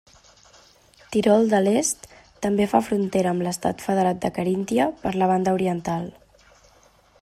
Tirol de l'Est també fa frontera amb l'estat federat de Caríntia per la banda oriental.